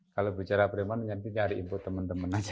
kalau bicara preman nanti nyari input teman teman aja